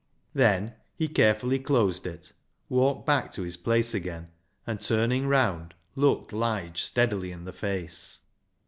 Then he carefully closed it, walked back to his place again, and turning round, looked Lige steadily in the face.